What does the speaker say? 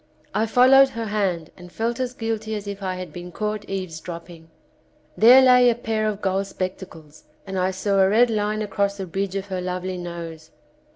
I followed her hand and felt as guilty as if I had been caught eaves dropping. There lay a pair of gold spec tacles and I saw a red line across the bridge of her lovely nose.